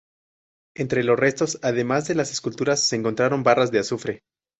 Entre los restos, además de las esculturas, se encontraron barras de azufre.